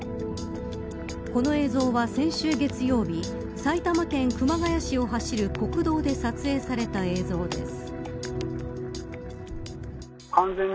この映像は先週月曜日埼玉県熊谷市を走る国道で撮影された映像です。